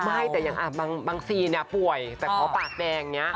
ไม่แต่แบบเป็นแบบบางซีนป่วยแต่เค้าปากแดง